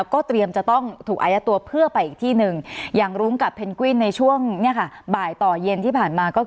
ก็เตรียมจะต้องถูกอายัดตัวเพื่อไปอีกที่หนึ่งอย่างรุ้งกับเพนกวินในช่วงเนี่ยค่ะบ่ายต่อเย็นที่ผ่านมาก็คือ